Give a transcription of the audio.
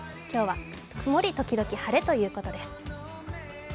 今日は曇り時々晴れということです。